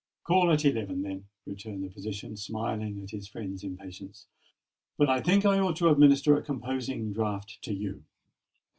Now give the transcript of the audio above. "Call at eleven, then," returned the physician, smiling at his friend's impatience. "But I think I ought to administer a composing draught to you."